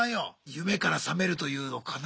夢から覚めるというのかな。